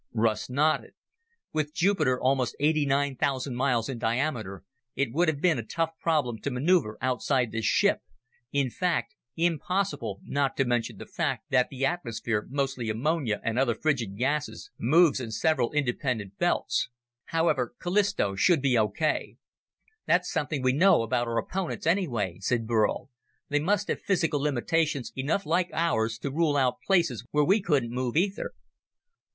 Russ nodded. "With Jupiter almost 89,000 miles in diameter, it would have been a tough problem to maneuver outside this ship ... in fact, impossible, not to mention the fact that the atmosphere, mostly ammonia and other frigid gases, moves in several independent belts. However, Callisto should be okay." "That's something we know about our opponents, anyway," said Burl, "They must have physical limitations enough like ours to rule out places where we couldn't move, either."